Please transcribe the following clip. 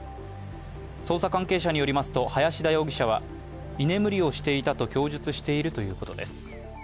捜査関係者によりますと、林田容疑者は居眠りをしていたと供述しているということです。